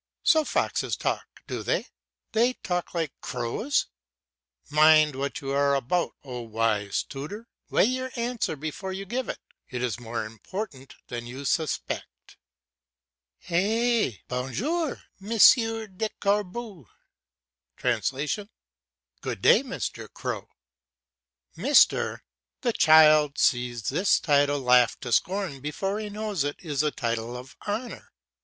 So foxes talk, do they! They talk like crows! Mind what you are about, oh, wise tutor; weigh your answer before you give it, it is more important than you suspect. "Eh! Bonjour, Monsieur le Corbeau!" ("Good day, Mr. Crow!") Mr.! The child sees this title laughed to scorn before he knows it is a title of honour.